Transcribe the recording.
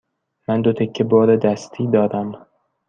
من دو تکه بار دستی دارم.